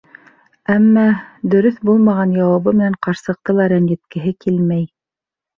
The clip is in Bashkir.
Әммә... дөрөҫ булмаған яуабы менән ҡарсыҡты ла рәнйеткеһе килмәй.